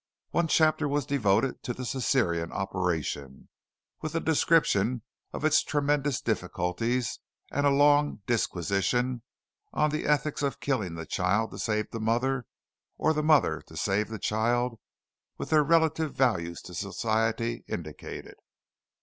One chapter was devoted to the Cæsarian operation, with a description of its tremendous difficulties and a long disquisition on the ethics of killing the child to save the mother, or the mother to save the child with their relative values to society indicated.